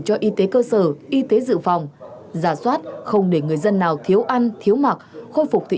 cho y tế cơ sở y tế dự phòng giả soát không để người dân nào thiếu ăn thiếu mặc khôi phục thị